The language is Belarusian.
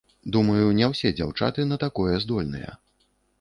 Думаю, не ўсе дзяўчаты на такое здольныя.